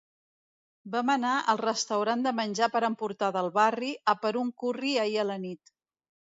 Vam anar al restaurant de menjar per emportar del barri a per un curri ahir a la nit